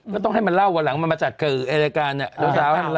ก็ต้องให้มันเล่าเวลาอ่ะมาจัดถือรายการนี้